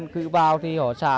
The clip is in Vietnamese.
cứ bao thì họ xả